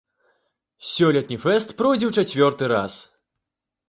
Сёлетні фэст пройдзе ў чацвёрты раз.